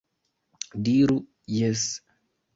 Diru "jes!"